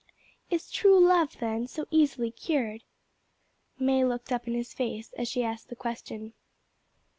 "Is true love, then, so easily cured?" May looked up in his face as she asked the question.